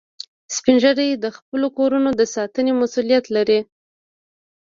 سپین ږیری د خپلو کورو د ساتنې مسؤولیت لري